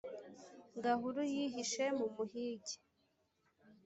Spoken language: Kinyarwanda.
Gahuru yihishe mumuhige